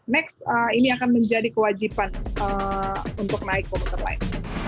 next ini akan menjadi kewajiban untuk naik komuter lain